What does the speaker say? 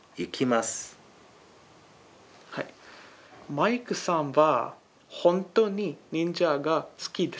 マイクさんは本当に忍者が好きですね。